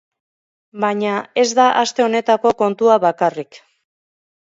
Baina ez da aste honetako kontua bakarrik.